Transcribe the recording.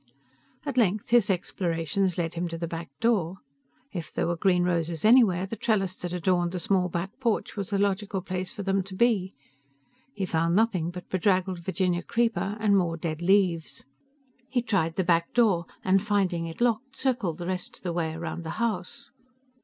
At length his explorations led him to the back door. If there were green roses anywhere, the trellis that adorned the small back porch was the logical place for them to be. He found nothing but bedraggled Virginia creeper and more dead leaves. He tried the back door, and finding it locked, circled the rest of the way around the house.